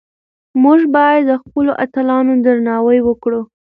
موږ باید د خپلو اتلانو درناوی وکړو.